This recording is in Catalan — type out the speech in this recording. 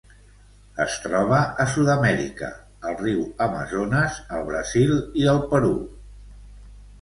Es troba a Sud-amèrica: el riu Amazones al Brasil i el Perú.